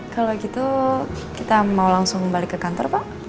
kalau gitu kita mau langsung balik ke kantor pak